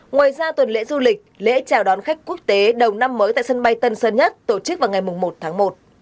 ngoài ra tuần lễ du lịch lễ chào đón khách quốc tế đầu năm mới tại sân bay tân sơn nhất tổ chức vào ngày một tháng một